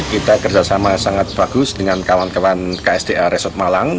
kita kerjasama sangat bagus dengan kawan kawan ksda resort malang